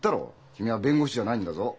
君は弁護士じゃないんだぞ。